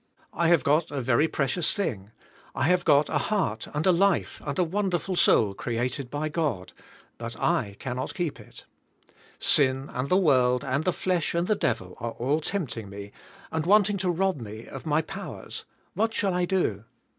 I have got a very precious thing. I have got a heart and a life and a wonderful soul created JMSVS ABL^ TO KlSKP. 21^ by God, but I cannot keep it. Sin and the world and the flesh and the devil are all tempting* me and wanting" to rob me of my powers; what shall I do?